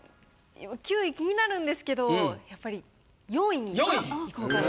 ９位気になるんですけどやっぱり４位にいこうかなと。